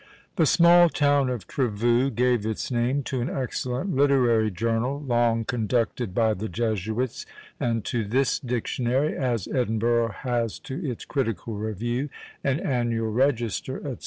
The small town of Trevoux gave its name to an excellent literary journal, long conducted by the Jesuits, and to this dictionary as Edinburgh has to its Critical Review and Annual Register, &c.